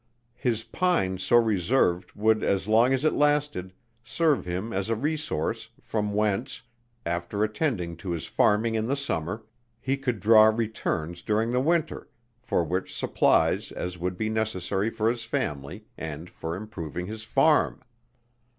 His pine so reserved would as long as it lasted serve him as a resource, from whence, after attending to his farming in the summer, he could draw returns during the winter, for such supplies as would be necessary for his family, and for improving his farm.